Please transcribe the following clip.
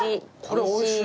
おいしい。